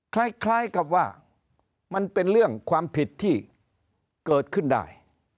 คล้ายกับว่ามันเป็นเรื่องความผิดที่เกิดขึ้นได้